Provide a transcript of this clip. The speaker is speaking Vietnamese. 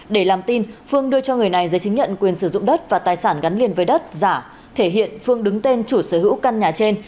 để làm tin phương đưa cho người này giấy chứng nhận quyền sử dụng đất và tài sản gắn liền với đất giả thể hiện phương đứng tên chủ sở hữu căn nhà trên